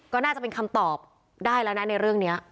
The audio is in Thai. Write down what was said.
ก็น่าจะเป็นคำตอบได้แล้วนะในเรื่องนี้